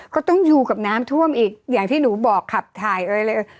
ก็ต้องอยู่กับน้ำท่วมอีกอย่างที่หนูบอกขับถ่ายอะไรเลย